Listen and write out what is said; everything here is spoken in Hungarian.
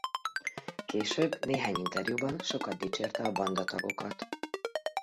Később néhány interjúban sokat dicsérte a bandatagokat.